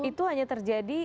itu hanya terjadi